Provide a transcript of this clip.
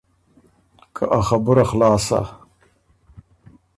که ا خبُره خلاص سَۀ“